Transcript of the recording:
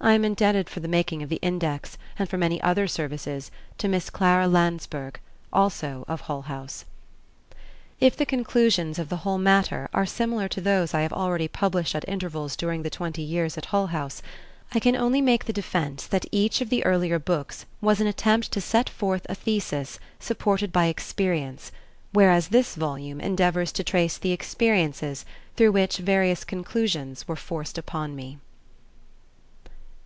I am indebted for the making of the index and for many other services to Miss Clara Landsberg, also of Hull House. If the conclusions of the whole matter are similar to those I have already published at intervals during the twenty years at Hull House, I can only make the defense that each of the earlier books was an attempt to set forth a thesis supported by experience, whereas this volume endeavors to trace the experiences through which various conclusions were forced upon me.